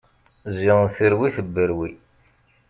Ziɣen terwi, tebberwi!